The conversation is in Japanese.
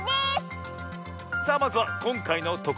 さあまずはこんかいのと